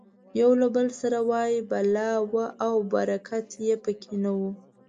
یو له بل سره وایي بلا وه او برکت یې پکې نه و.